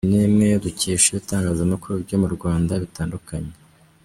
Ibi ni bimwe dukesha ibitangazamakuru byo mu Rwanda bitandukanye.